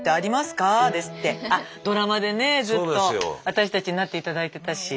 私たちになって頂いてたし。